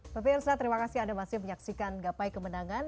pemirsa terima kasih anda masih menyaksikan gapai kemenangan